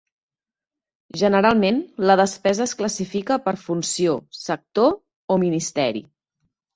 Generalment, la despesa es classifica per funció, sector o ministeri.